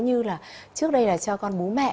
như là trước đây là cho con bú mẹ